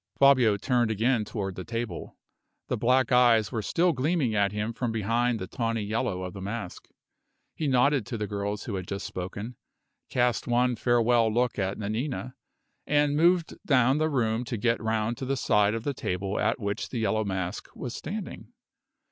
Fabio turned again toward the table. The black eyes were still gleaming at him from behind the tawny yellow of the mask. He nodded to the girls who had just spoken, cast one farewell look at Nanina, and moved down the room to get round to the side of the table at which the Yellow Mask was standing.